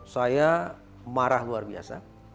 saya marah luar biasa